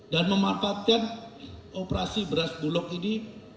dan memanfaatkan operasi beras bulog ini